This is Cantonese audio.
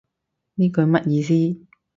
呢句乜意思